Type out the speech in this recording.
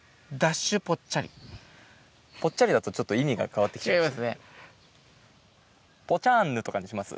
「ぽっちゃり」だとちょっと意味が変わって来ちゃいます。とかにします？